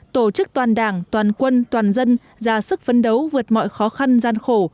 tổ chức toàn đảng toàn quân toàn dân ra sức phấn đấu vượt mọi khó khăn gian khổ